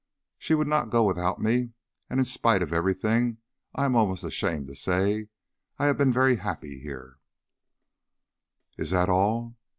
She would not go without me, and in spite of everything, I am almost ashamed to say, I have been very happy here " "Is that all?